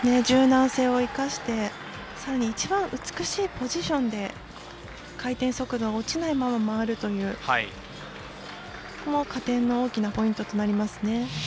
柔軟性を生かしてさらに一番美しいポジションで回転速度が落ちないまま回るというのも加点の大きなポイントとなりますね。